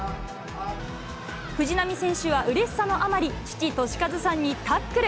藤波選手はうれしさのあまり、父、俊一さんにタックル。